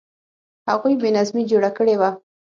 هغوی بې نظمي جوړه کړې وه.